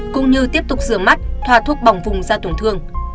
cũng như tiếp tục rửa mắt thoa thuốc bỏng vùng da tổn thương